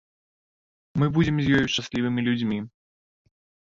Мы будзем з ёю шчаслівымі людзьмі.